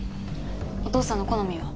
お父さんの好みは？